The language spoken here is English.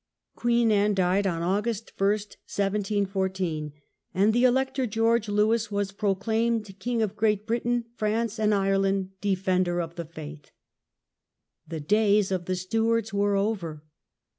Queen Anne died on August i, 17 14, and the Elector George Lewis was proclaimed King of Great Britain, France, and Ireland, Defender of the Faith. The days of the Stewarts were over.